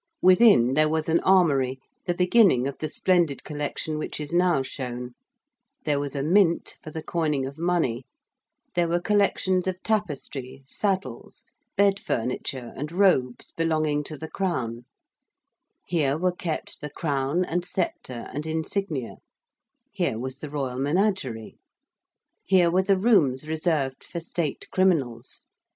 Within, there was an armoury, the beginning of the splendid collection which is now shown: there was a Mint for the coining of money: there were collections of tapestry, saddles, bed furniture and robes belonging to the Crown: here were kept the Crown and sceptre and insignia: here was the Royal menagerie. Here were the rooms reserved for state criminals.